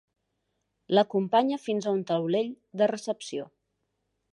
L'acompanya fins a un taulell de recepció.